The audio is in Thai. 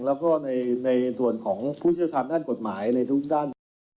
แล้วก็ในส่วนของผู้เชี่ยวชาญด้านกฎหมายในทุกด้านผม